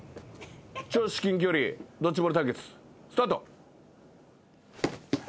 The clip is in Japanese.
超至近距離ドッジボール対決スタート。